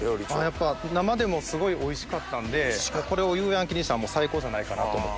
やっぱ生でもすごいおいしかったんでこれを柚庵焼きにしたら最高じゃないかなと思って。